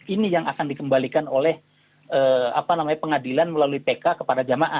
ini yang akan dikembalikan oleh pengadilan melalui tk kepada gama a